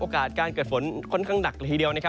การเกิดฝนค่อนข้างหนักละทีเดียวนะครับ